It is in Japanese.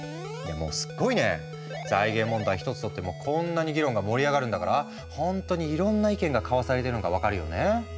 財源問題一つとってもこんなに議論が盛り上がるんだからほんとにいろんな意見が交わされてるのが分かるよね。